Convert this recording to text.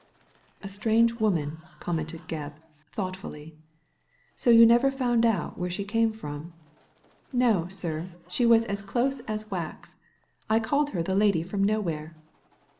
" A strange woman," commented Gebb, thought fully. "So you never found out where she came from?" " No, sir, she was as close as wax. I called her the Lady from Nowhere."